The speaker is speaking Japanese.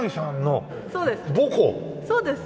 そうです。